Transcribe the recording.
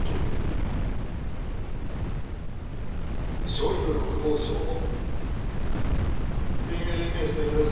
ショイグ国防相も。